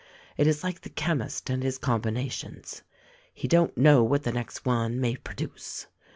It is like the chemist and his combinations — he don't know what the next one may produce.